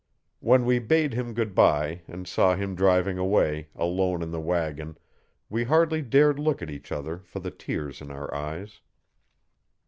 When we bade him goodbye and saw him driving away, alone in the wagon, we hardly dared look at each other for the tears in our eyes.